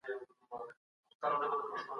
کوربه هیواد نوی سفیر نه باسي.